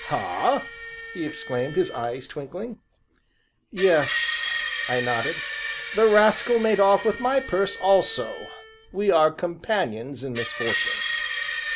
"Ha?" he exclaimed, his eyes twinkling. "Yes," I nodded, "the rascal made off with my purse also; we are companions in misfortune."